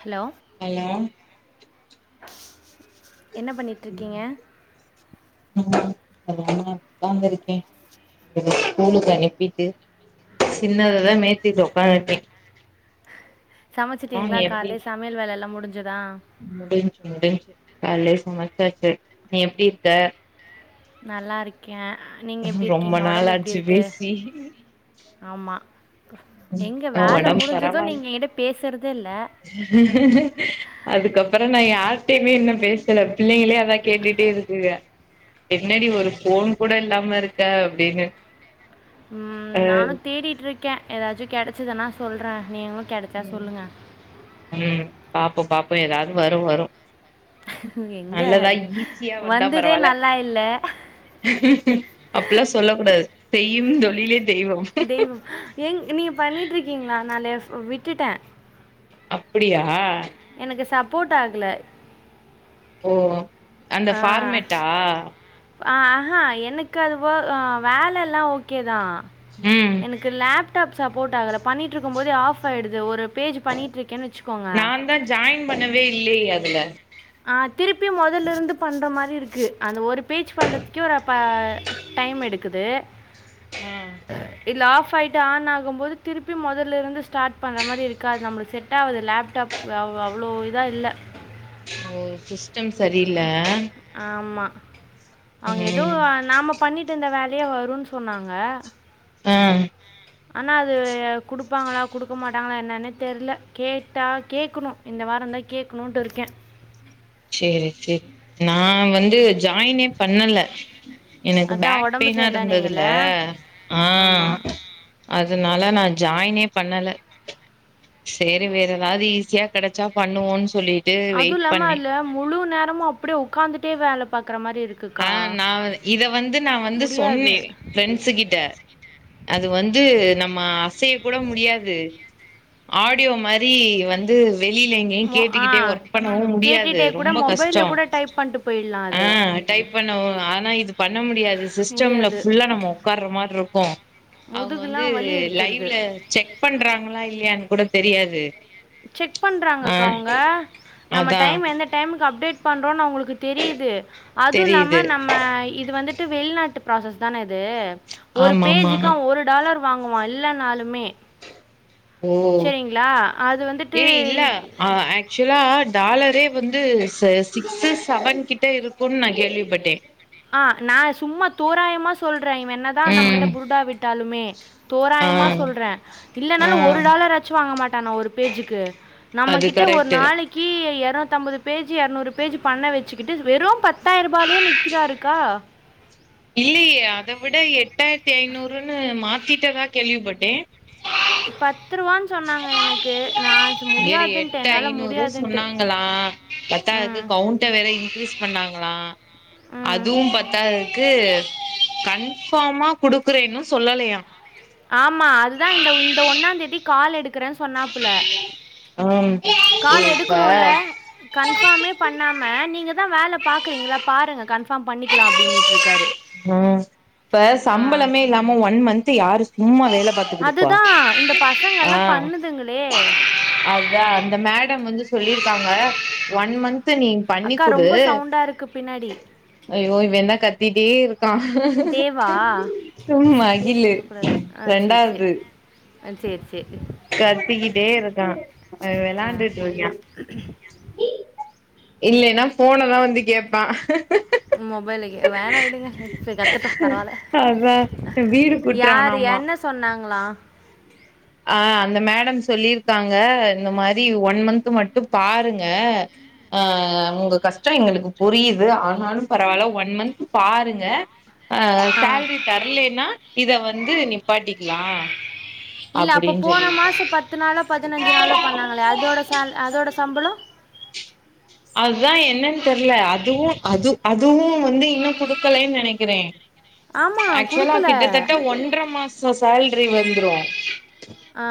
Hello hello என்ன பண்ணிட்டிருக்கீங்க அதா ஒக்காந்துருக்கே பெருசு ஸ்கூலுக்கு அனுப்பிட்டு சின்னததா மேச்சுட்டு ஒக்காந்துருக்கே சமைச்சிட்டீங்ளா கால்லே சமையல் வேலைல்லா முடி முடிஞ் முடிஞ்சு கால்லேயே சமைச்சாச்சு, நீ எப்டி இருக்க? நல்லா இருக் க நீங்க எப்படி ரொம்ப இருக்கீங்க? நாள் ஒடம்பு எப்படி ஆச்சு இருக்கு? பேசி ஆமா ம் எங்க வேல முடிஞ்சது நீங்க என்கிட்ட பேசுற அதுக்கப்பற நா யா யார்டையுமே இன்னு பேசல பிள்ளைங்களே அதா கேட்டுட்டே இருக்குங்க என்னடி ஒரு ஃபோன் கூட இல்லாம இருக்க அப்டின்னு ம், அ நானு தேடிட்ருக் கே ஏதாச்சு கெடச்சுதுனா சொல்றே நீங்களு கெடச்சா ம் சொல்லுங்க ம் பாப்போ பாப்போ ஏதாவது வரு வரு எங்கே நல்லதா ஈஸியா வந்தா வந்ததே பரவால்ல, நல்லா இல்லை அப்டில்லா சொல்ல கூடாது. செய்யும் தொழிலே தெய்வம் தெய்வம், ஏங் நீங்க பண்ணிட்ருக்கீங்ளா? நா லெஃப் ஓ விட்டுட்ட அப்புடியா எனக்கு சப்போட் ஆகல ஓ அந்த ஃபார்மேட்டா அ அஹா எனக்கு அது போ வேல எல்லா ஓக்கே தா ம் எனக்கு லேப் சாப் சப்போர்ட் ஆகல பண்ணிட்ருக்கு போதே ஆஃப் ஆய்டுது ஒரு பேஜ் பண்ணிட்டுருக்கேன்னு வச்சுக்கோங்க. நாந்தா ஜாயின் பண்ணவே இல்லையே அது ப்ரியா ஆ திருப்பி மொதல்லிருந்து பண்ற மாரி இரு க்கு அந்த ஒரு ஸ்பீச் பண்ணுறதுக்கே ஒரு அப்ப டைம் எடுக் க்குது ஆ இலாஃப் ஃபாய்ட்டு ஆன் ஆகும்போது திருப்பி மொதல்லிருந்து ஸார்ட் பண்ற மாரி இருக்கா நம்ளு செட் ஆவுது லேப்டாப் அவ அவ்ளோ இதா இல்ல ம் சிஸ் டம் சரியில்ல அவுங்க ஏதோ ம் நாம பண்ணிட்டு இருந்த வேல தையா நைய வரும்ன்னு சொன்னாங்க உம் ஆனா அது குடுப்பாங்களா குடுக்க மாட்ட ட்டாங்களா என்னன்ன தெர்ல கேட்டா கேட்கணு இந்த வாரோந்தா கேட்கணுன்ட்டு இருக்கே சேரி சேரி நா வந்து ஜாயினே பண்ணல எனக்கு அதான் பேக் உடம்பு ஃபெயினா இருந்ததுல சரியில்லைன்னீங்கள்ல ஆ ஆமாம் அதனாலநானு ஜாயினே பண்ணல சேரி வேறெதாவது ஈஸியா கெடச்சா பண்ணுவோம் சொல்லிட்டு அதுவும் வெயிட் இல்லாமல் பண்ணே அதில் முழு நேரமு அப்புடியே உட்காந்துட்டே வேலை பாத் ஆ நா இத வந்து நா வந்து முடியாது சொன்னே ப்ரீண்ட்ஸ் கிட்ட அது வந்து நம் மா அசைய கூட முடியாது ஆடியோ மாரி வந்து வெளியில எங்கயு மொ ஆ கேட்டுக்கிட்டே ஒர்க் பண்ணவு முடியாது கேட்டுகிட்டே கூட ரொம்ப கஷ்டோ மொபைலில் கூட டைப் பண்ணிட்டு போயிடலாம் அது ஆஹ் டைப் பண்ண ஆனா இது பண்ண முடியாது சிஸ்டம்ல முடியாது ஃபுல்லா நம்ம உட்ககார்ற மாதிரி இருக்கு கோ அவுங்க வந்து முதுகுலாம் வலி எடுத்துடுது லைவ்ல செக் பண்றாங்களா இல்லையான்னு கூட தெரியாது செக் ஆ பண்றாங்கக்கா அவுங்க நம்ம அதா டைம் எந்த டைமுக்கு அப்டேட் பண்றோ அவுங்களுக் கு தெரியுது அதுல்லாம தெரியுது நம்ம இது வந்துட்டு டு வெளிநாட்டு ப்ராசஸ்தான து ஒரு ஆமா ஆமா பேஜிக்கு அவ ஒரு டாலர் வாங்குவா இல்லேன்னாலுமே ஓ செரிங்களா ஏ இல்ல ஆக்சுவலா டாலரே வந்து ஸ் சிக்ஸு செவன் கிட்ட இருக்குன் நா கேள்விப்பட்டே ஆஹ் நா சும்மா தோராயமா சொல்ற [unintelligible] என்ன தா நம்ம கிட்ட ம் புருடா விட்டாலுமே ஆ தோராயமா சொல்றே ஆ இல்லலாலு ஒரு டலர்னாச்சு வாங்கமாட்டானா ஒரு பேச்சுக்கு நம்ம அது கிட்ட ஒரு கரெக்ட் நாளைக்கி எற த்தம்பது பேஜி இருநூறு பேஜி பண்ண வச்சுக்கிட்டு வெறு பத்தாயிர ரூபாயாலே நிக் இல்லையே அத விட எ எட்டாயிரத்தி ஐநூறுன்னு மாத்திட்டதா கேள்விப்பட்டே பத் பத்துருவான்னு சொன்னாங்க எனக்கு நா சும் வேற முடியாதுன்டே எட்டு என்னால ஐநூறு முடியாதுன்ட்டு சொன்னாங்களா பத்தாதுக்கு உம் கவுண்ட வேற இன்க்ரீஸ் பண்ணாங்களா அதுவு பத்தாதுக்கு து கன்பார்மா குடுக்குறேன்னு சொல்லலையா ஆமா. க்கற சொன்னாப்புல ம் கால் இப்ப எடுக்கணுல்ல கன்பார்மே பண்ணாம நீங்க தா வேல பாக்குறீங்களா பாருங்க கன்பார்ம் பண்ணிக்கலா அப்புடின்னுட்ருக்காரு உம் இப்ப சம்பளமே இல்லாம ஒன் மந்து யாரு சும்மாலே ல்லா பாத்து குடுப்பா அதுதான் இந்த ஆ பசங்கள்லாம் பண்ணுதுங்களே அதா அந்த மேடம் வந்து சொல்லியிருக்காங்க ஒன் மந்த் து நீங் அக்கா பண்ணிக்குடு ரொம்ப சவுண்டாக இருக்குது பின்னாடி ஐயோ இவே என்ன கத்திட்டே கா தேவா சும்மா பேர் மகிலு ரெண்டாவது அ சேரி கத்திக்கிட்டே இருக்கா அவே ஆ வெளாண்டுட்டுருக்கா இல்லைன்னா போனதா வந்து கேப்பா மொபைலுக்கு வேனா விடுங்க இப்ப கத்துட்டு பரவால்ல அதா வீடு யாரு கூட்றானாமா என்ன சொன்னாங்களா ஆ அந்த மேடம் சொல்லிருக்காங் க இந்த மாரி ஒன் மந்த் து மட்டு பாருங்க ஆ உங்க கஷ்டம் எங்களுக்கு புரியுது ஆனாலும் பரவால்ல ஒன் மந்த் பாருங்க ஆ ஆ சேலரி தர்லன்னா இத வந்து நிப்பாட்டிக்கலா இல்ல அப்ப அப்டின்னு போன சொல்லிருக்காங்க மாசம் பத்து நாளோ பதினஞ்சு நாளோ பண்ணாங்களையா அதோட சேல் அதோட சம்பளம் அதுதா என்னன் தெரில அதுவு அது அதுவு வந்து இன்னு கொடுக்கலைன் நெனைக்கிறே ஆமாம் ஆக்சுவலா கொடுக்கல கிட்டத்தட்ட ஒன்ற மாச சேல்ரி வந்துரு ஆ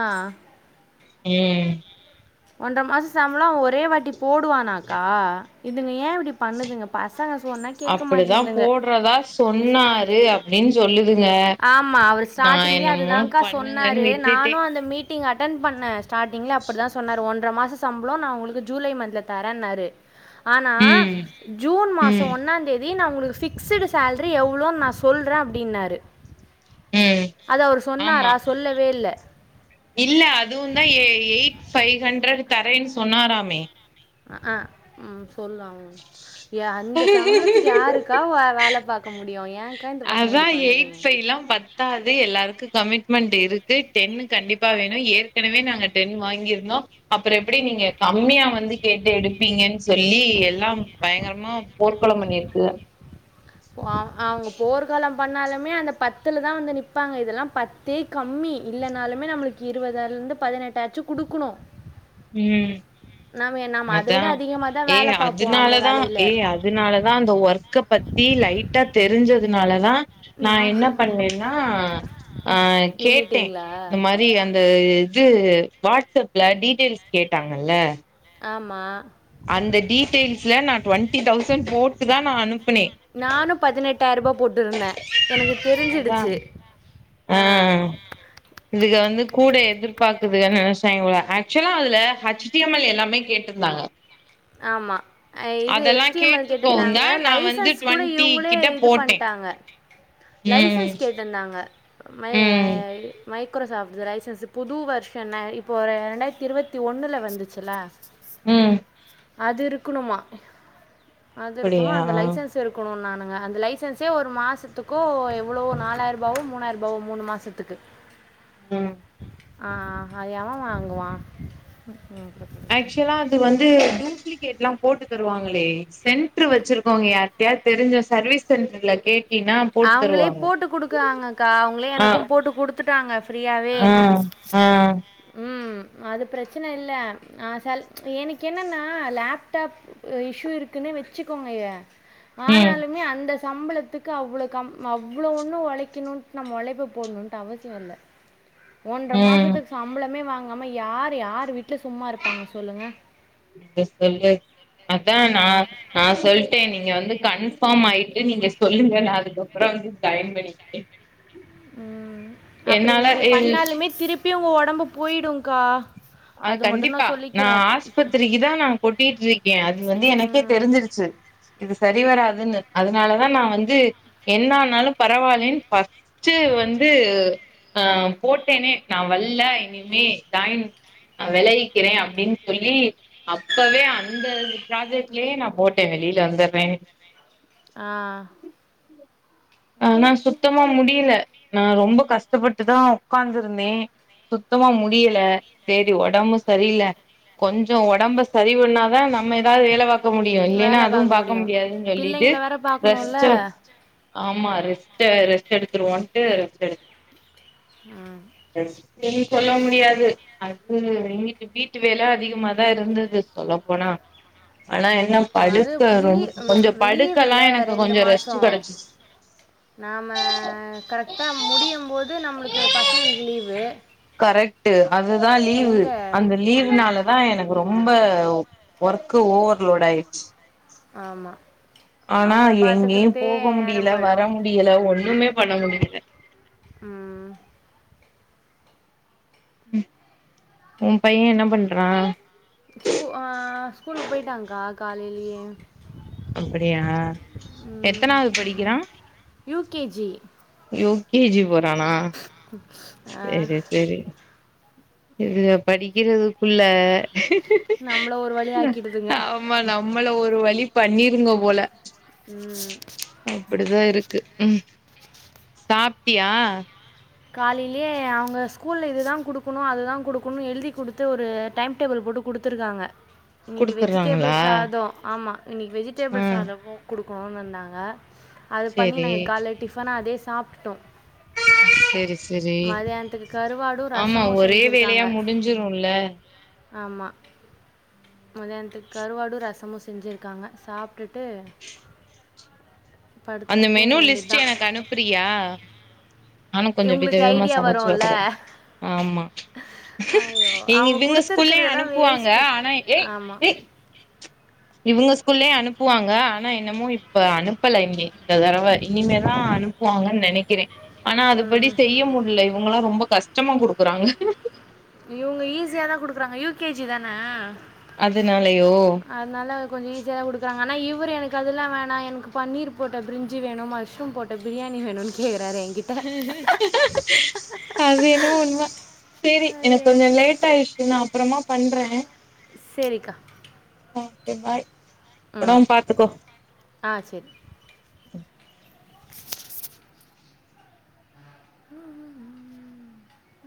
ம் ஒன்ற மாச சம்பளம் ஒரே வாட்டி போடுவானாக்கா இதுங்க ஏ இப்டி பண்ணுதுங்க ப அப்பிடிதான் போடறதா சொன்னாரு அப்பிடின்னு சொல்லு ஆமா அவர் ஸ்டாட்டிங்கே அதுதான்கா பண்ணுங்கன்னு சொன்னாரு விட்டுட்டே நானும் அந்த மீட் ட்டிங் அட்டன் பண்ணேன் ஸ்டாட்டிங்ல அப்பிடிதான் சொன்னாரு ஒன் இந்த மாச சம்பளம் நான் உங்களுக்கு ஜூலை மன்த்ல தரேன்னாரு ஆனா ம் ஜூன் ம் மாசம் ஒன்னாம் தேதி ப்பிடி நான் உனக்கு ஃபிக்ஸடு சேல்ரி எவ்ளோனு நா சொல்றேன் அப்பிடின்னாரு ம் அத அவரு ஆமா சொன்னாரா சொல்லவே இல்ல இல்ல அதுவும் தான் எ எ ஃபை ஹண்ட்ரட் தரேன்னு சொன்னாராமே அ ஆ ம் சொல்வாங்க என் அந்த சம்பளத்துக்கு யாருக்கா வேல பாக்க முடியும் முடியோ ஏன் அதான் எய்ட் ஃபைலாம் பத்தாது எல்லாருக்கும் கமிட்மெண்ட் ட் இருக்கு டென்னு கண்டிப்பா வேணும் ஏற்கனவே நாங்க டென் வாங்கிருந்தோம் அப் அப்பறம் எப்பிடி நீங்க கம்மியா வந்து கேட்டு எடுப்பீங்கென் சொல் சொல்லி எல்லாம் பயங்கரமா போர்க்களம் பண்ணிருக்கு அவ் அவ்ங்க போர் களம் பண்ணாலுமே அந்த பத்துலதா வந்து நிப்பாங்க இதெல்லா பத்தே கம்மி இல்லனாலுமே நம்ப்ளுக்கு இருவதாலருந்து பதினெட்டாச்சும் குடுக்குணு ம் அதை அதா விட அதிகமாக தான் ஏ வேலை பார்ப்போம் அந்த அதுனாலதா வேலையில் ஏய் அதுனாலதா அந்த ஒர்க் ஒர்க்க பத்தி லைட்டா தெரிஞ்சதுனாலதா நா நான் என்ன பண்னேன்னா அ கேட்டே நின்றுட்டிங்களா இந்த மாரி அந்த இது வாட்ஸ்அப்ல டீட்டெய்ல்ஸ் கேட்டாங்கல்ல ஆமா அந்த டீடெயில்ஸ்ல நா ட்வெண்ட்டி தௌசண் போட்டு தா நா அனுப்புனே ட்டாயிரூவா போட்டுருந்தே எனக்கு அதா தெரிஞ்சிடுச்சி ஆ அ இதுக வந்து கூட எதிர்பாக்குதுங்க னு நெனைச்டாங்க போல ஆக்சுவலா அதுல ஹச்டடிஎம்எல் எல்லாமே கேட்ருந்தாங்க ஆமா இது எச் டி எம் எல் கேட்டுர்ந்தாங்க கேட்டிருக்கவுந்தா நா வந்து லைசன்ஸ் கூட டுவெண்ட்டி இவுங்களே கிட்ட இது போட்டே பண்ட்டாங்க ம் லைசன்ஸ் கேட்டுந்தாங்க மை அ ம் ஐ மை குர சாப்டுது ரைசசு புது வர்ஷன்னு இப்ப ஒரு ரெண்டாயிரத்தி இருவத்தி ஒண்ணுல வந்துச்சுல ம் அது இருக்குணுமா அது இருக்கணு அப்படியா அந்த லைசன்ஸ் எடுக்குணு நா ஆ அந்த லைசன்ஸே ஒரு மாசத்துக்கோ எவ்ளோவோ நாலாயிரூபாவோ மூணாயிரூபாவோ மூணு மாசத்துக்கு ம் ஆ அது எவ வாங்குவா அஆக்சுலா அது வந்து டூப்ளிக் கேட்லா போட்டு தருவாங்களே சென்ட்ரு வச்சிருக்கோங்க யார்டயாது தெரிஞ்ச சர்வீஸ் சென்ட்ர்ல கேட் அவுங்களே போட்டு குடுக்குறாங்கக்கா அவுங்கள ஆ எனக்கு போட்டு குடுத் த்துட்டாங்க ஃப்ரியாவே ஆ இல் ஆ ம் அது ப்ரெச்சன இல்ல ஆ சல் எனக்கு என்னன்னா லப்டாப் இஷ்யு இருக்குன்னே வச்சுக்கோங்கய ம் ஆனாலுமே அந்த சம்பளத்துக்கு அவ்ளோ கம் அவ்ளோ ஒண்ணு ஒழைக்கணுன் நம்ம ஒழைப்ப போட்ணுன்ட்டு அவசியோ இல்ல ஒன்ற ம் மாசத்துக் சம்பளமே வாங் காமா யார் யார் விட் [unintelligible] சொல்லு அதா நா ம். நா சொல்ட்ட நீங்க வந்து கன்ஃபார்ம் ஆய் நீங்க சொல்லுங்க நா அதுக்கப்புறோ வந்து ஜாய்ன் பண்ணிக்கிட்ட ம் அப்டி நீங்க எ பண்ணாலுமே திருப்பி உங்க ஒ டம்பு போயிடுங்கா அது கண்டிப்பா நா ஆஸ்பித்திரிக்கு நா கொட்டிட்டு இருக்கே அது வந்து எனக்கே ம் தெரிஞ்சிருச்சு இது சரிவராது னு அதனாலதா நா வந்து என்ன ஆனாலு பரவால்லன் ஃபஸ்ட்டு வந்து ஆ போட்டனே நா வல்ல இனிமே ஜாய்ன் வெளவிக்கிற அப்டின்னு சொல்லி அப்பவே அந்த ப்ராஜெக்ட்லே நா போ ட வெளில வந்துற்றே ஆ ஆ நா சுத்தமா முடியல நா ரொம்ப கஷ்டப்பட்டு தா உக்காந்து இருந்தே சுத்தமா முடியல சேரி ஒடம்பு சரியில கொஞ்சோ ஒடம்ப சரி பன்னா தா நம்ம ஏதாது வேல பாக் க முடியு இல்லென்னா வேல அதுவு பாக்க முடியு முடியாதுனு சொல்லிட்டு பிள்ளைங்கள வேற பாக்கணுல்ல ரெஸ்ட்டு ஆமா ரெஸ்ட்டு ரெஸ்ட் எடுத்துருவோன்ட்டு ரெஸ்ட் எடுத் ம் ரெஸ்ட்டுன்னு சொல்ல முடியாது அது எங்கட்டு வீட்டு வேல அதிகமாதா இருந்தது சொல்ல போனா ஆனா என்ன அது படுக்க லீ ரொம்ப ம்ச் கொஞ்சோ படுக்கலா லீவுல்ல எனக்கு ரெண்டு கொஞ்சோ ரெஸ்ட் மாசோ கெடச்சிச்சு நாம கரெக்டா முடியு போது நம்ளுக்கு பசங்களுக்கு லீவ் கரெக்ட்டு அதுதா லீவு எங்க அந்த லீவுனால தா எனக்கு ரொ ரொம்ப ஒர்க்கு ஓவர்லோட் ஆயிடுச்சு ஆமா ஆனா அவங்கள எங்கேயு பாத்துக்கிறதே போக நேரம் முடியல போயிடு வர முடியல ஒண்ணுமேப் பண்ண முடியல ம் உம் உன் பைய என்ன பண்றா ஸ்கூ ஆ ஸ்கூலுக்கு போயிட்டாங்கா காலையிலயே அப்படியா எத்தனாவது படிக்கிறா U K G U K G போர ரானா ஆ செரி செரி இதுக படிக்கிறதுக்குள்ள நம்மள ஒரு வழி ஆக்கிடுதுங்க ஆமா நம்மள ஒரு வழி பண்ணிருங்க போல ம் அப்படிதா இருக்கு உம் சாப்ட்டியா காலையிலயே அவங்க ஸ்கூல்ல இது தா குடுக்கணு அது தா குடுக்கணுஎழுதி குடுத்து ஒரு டைம் டேபிள் போட்டு குடுத்துருக்காங்க இன்னைக்கு குடுத்துர்றாங்களா வெஜிடேபிள்ஸ் சாதோ ஆமா இன்னைக் ஆ வெஜிடேபிள் சாதமூ குடு கோன் வந்தாங்க அது பண்ணி சேரி நாங்க கால்லே டிஃபனா அதே ஸ் சாப்டுட்டோ செரி செரி கருவாடும் ஆமா ரசமும் ஒரே வேலையா முடிஞ்சிரூல ஆம்மா மதியானத்துக்கு கருவாடு ரசமு செஞ்சிருக்காங்க சாப் டுட்டு அந்த மெனு லிஸ்ட்டு தான் எனக்கு அனுப்றியா நானு கொஞ்சொ வித இவங்களுக்கு விதமா ஐடியா வரும்ல சமச்சு [inaudible] ஆமா ஐயோ அவங்க இவங்க ஸ்கூல்லயு கொடுத்துருக்கறதெல்லாம் அனுப்புவாங்க வேஸ்ட்டு ஆனா ஏ ஆமாம் ஏ இவுங்க ஸ்கூல்லயு அனுப்புவாங்க ஆனா என்னமோ இப்ப அனுப்பல இன்னி இந்த தடவ இனிமேதா அனுப்புவாங்கன் நெனைக்கிறே ஆனா அதுபடி செய்ய முடில்ல இவுங்களா ரொம்ப கஷ்டமா குடுக்குறாங்க இவுங்க ஈஸியா தா குடுக்றாங்க யூகேஜி தான் ன அதனாலயோ அதனால கொஞ்சொ ஈஸியாதா குடுக்றாங் ஆனா இவ்ரு எனக்கு அதுல்லா வேணா எனக்கு பன்னீர் போட்ட பிரிஞ்சு வேணு மஷ்ரூம் போட்ட பிரியாணி வேணுன் கேக அது என்னவோ உண்ம [unintelligible] சேரி எனக் ஐயோ கொஞ்சொ லேட் ஆயிர்ச்சு நா அப்றமா பண்றே செரிக்கா ஓகே பாய் ஒடம் பாத்துக்கோ ஆ சரி ஹ்ம் ஹ்ம் ஹ்ம்